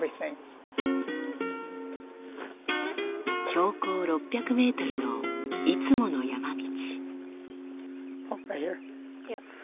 標高６００ｍのいつもの山道。